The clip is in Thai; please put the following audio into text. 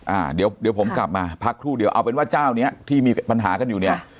อ่าเดี๋ยวเดี๋ยวผมกลับมาพักครู่เดียวเอาเป็นว่าเจ้าเนี้ยที่มีปัญหากันอยู่เนี่ย